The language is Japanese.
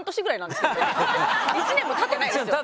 １年もたってないですよ。